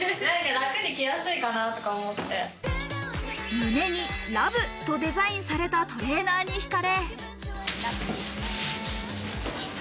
胸に「Ｌｏｖｅ」とデザインされたトレーナに惹かれ。